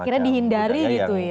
akhirnya dihindari gitu ya